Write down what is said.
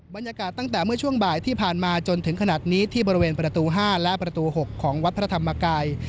บรรยากาศตั้งแต่เมื่อช่วงบ่ายที่ผ่านมาจนถึงขนาดนี้ที่บริเวณประตู๕และประตู๖ของวัดพระธรรมกาย